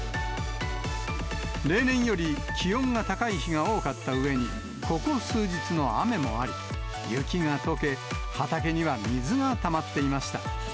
例年より気温が高い日が多かったうえに、ここ数日の雨もあり、雪がとけ、畑には水がたまっていました。